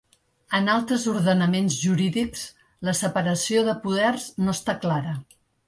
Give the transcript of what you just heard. En altres ordenaments jurídics, la separació de poders no està clara.